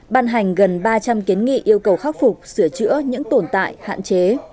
ban hành gần ba trăm linh kiến nghị yêu cầu khắc phục sửa chữa những tồn tại hạn chế